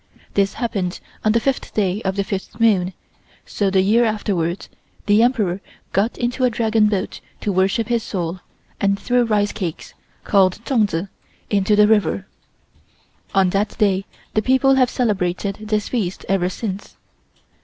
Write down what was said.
This happened on the fifth day of the fifth moon, so the year afterwards, the Emperor got into a Dragon boat to worship his soul, and throw rice cakes, called Tzu Tsi, into the river. On that day the people have celebrated this feast ever since.